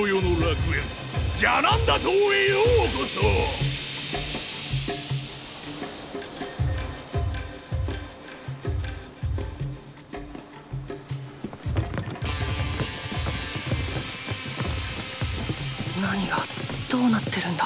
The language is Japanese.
心の声何がどうなってるんだ。